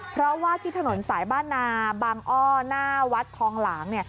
เพราะว่าที่ถนนสายบ้านนาบางอ้อหน้าวัดทองหลางเนี่ย